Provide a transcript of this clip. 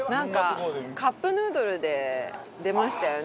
カップヌードルで出ましたよね